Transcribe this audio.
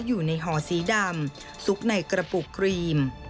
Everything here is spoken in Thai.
อยู่ในห่อสีดำซุกในกระปุกครีม